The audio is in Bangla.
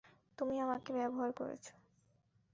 তুমি আমাকে ব্যবহার করেছ।